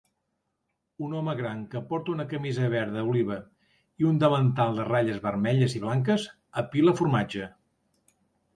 Un home gran que porta una camisa verd oliva i un davantal de ratlles vermelles i blanques apila formatge.